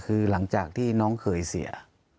คือหลังจากที่น้องเขยเสีย